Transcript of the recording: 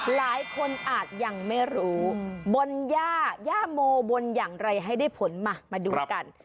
หลายคนอาจยังไม่รู้บนย่าย่าโมบนอย่างไรให้ได้ผลมามาดูกัน